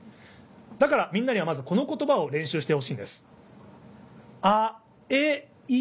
だからみんなにはまずこの言葉を練習してほしいんです。